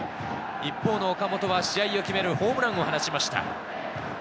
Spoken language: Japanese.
一方の岡本は試合を決めるホームランを放ちました。